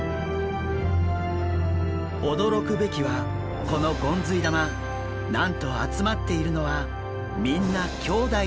驚くべきはこのゴンズイ玉なんと集まっているのはみんな兄弟なんです。